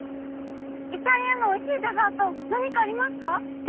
イタリアのおいしいデザート何かありますか？